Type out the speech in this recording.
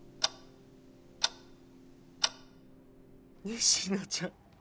仁科ちゃん